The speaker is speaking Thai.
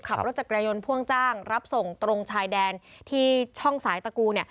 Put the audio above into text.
ขับรถจักรยายนต์พ่วงจ้างรับส่งตรงชายแดนที่ช่องสายตะกู